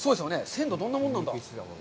鮮度、どんなもんなんだ？